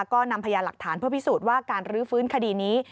ก็นำพยานหลักฐานเพื่อพิสูจน์ว่าการรื้อฟื้นคดีนี้